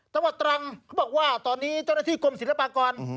ตรังเขาบอกว่าตอนนี้เจ้าหน้าที่กรมศิลปากร